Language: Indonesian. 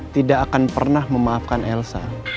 tidak akan pernah memaafkan elsa